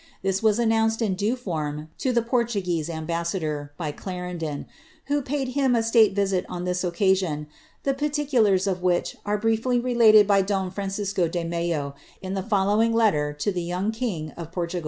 This was announced in due form >rtugue8e ambassador, by Clarendon, who paid him a state visit occasion, tlie particulars of which are briefly related by Don y de Mello in the following letter to the young king of Portu*